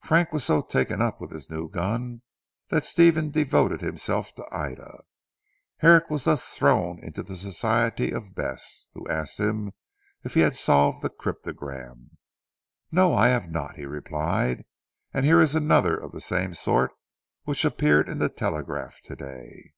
Frank was so taken up with his new gun, that Stephen devoted himself to Ida. Herrick was thus thrown into the society of Bess, who asked him if he had solved the cryptogram. "No, I have not," he replied, "and here is another of the same sort which appeared in the Telegraph of to day."